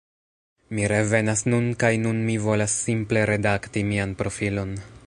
Mi revenas nun kaj nun mi volas simple redakti mian profilon